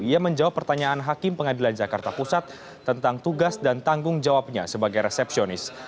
ia menjawab pertanyaan hakim pengadilan jakarta pusat tentang tugas dan tanggung jawabnya sebagai resepsionis